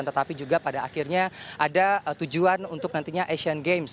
tetapi juga pada akhirnya ada tujuan untuk nantinya asian games